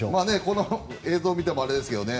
この映像を見てもあれですけどね。